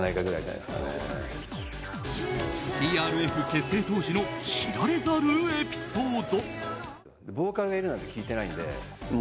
ＴＲＦ結成当時の知られざるエピソード。